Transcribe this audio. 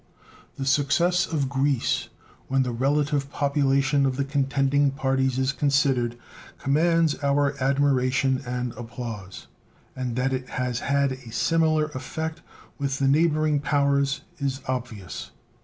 The success of Greece, when the relative population of the contending parties is considered, commands our admiration and applause, and that it has had a similar effect with the neighboring powers is obvious.